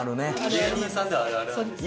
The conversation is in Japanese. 芸人さんではあるあるなんですか？